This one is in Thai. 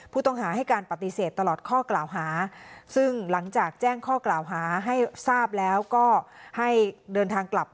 ผู้ต้องหาให้การปฏิเสธตลอดข้อกล่าวหาซึ่งหลังจากแจ้งข้อกล่าวหาให้ทราบแล้วก็ให้เดินทางกลับ